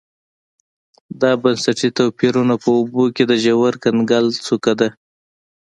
دا بنسټي توپیرونه په اوبو کې د ژور کنګل څوکه ده